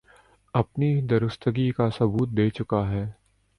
اپنی درستگی کا ثبوت دے چکا ہے